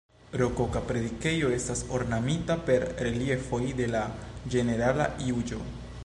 Rokoka predikejo estas ornamita per reliefoj de la Ĝenerala Juĝo.